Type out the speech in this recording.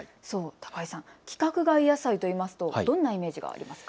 高井さん、規格外野菜といいますとどんなイメージがありますか。